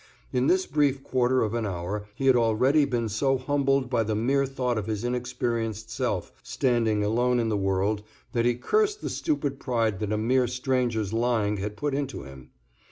In this brief quarter of an hour he had already been so humbled by the mere thought of his inexperienced self standing alone in the world that he cursed the stupid pride that a mere stranger's lying had put into him.